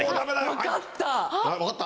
分かった？